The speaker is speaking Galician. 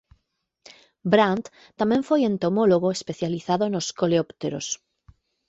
Brandt tamén foi entomólogo especializado nos coleópteros.